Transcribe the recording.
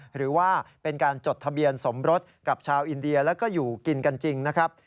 หรือว่าเป็นการจดทะเบียนสมรสกับชาวอินเดียแล้วก็อยู่กินกันจริงนะครับ